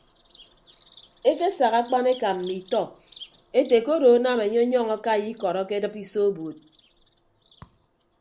Ekesak akpaneka mmi itọ ete ke odo anam enye ọnyọñ akai ikọd akedịp iso obuud.